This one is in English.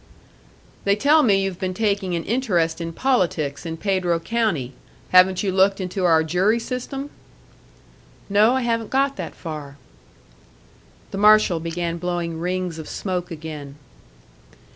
"They tell me you've been taking an interest in politics in Pedro County. Haven't you looked into our jury system?" "No, I haven't got that far." The marshal began blowing rings of smoke again.